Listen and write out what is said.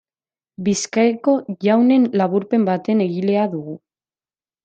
Bizkaiko Jaunen Laburpen baten egilea dugu.